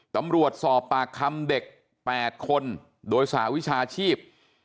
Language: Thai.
ตำรวจสอบปากคำเด็ก๘คนโดยสหวิชาชีพ